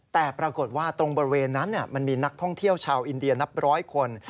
แต่ปรากฏว่าตรงบริเวณนั้นมันมีนักท่องเที่ยวชาวอินเดียนับร้อยคน